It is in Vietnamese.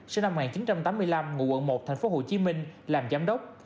sinh năm một nghìn chín trăm tám mươi năm ngụ quận một thành phố hồ chí minh làm giám đốc